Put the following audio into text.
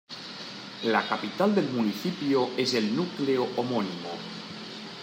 La capital del municipio es el núcleo homónimo.